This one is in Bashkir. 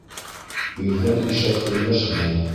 Ирҙән ишәк көнләшмәй